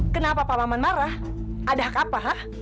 kenapa pak maman marah ada hak apa